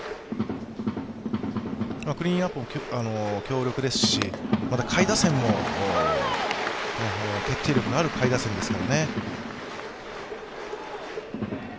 クリーンナップも強力ですし、また決定力のある下位打線ですからね。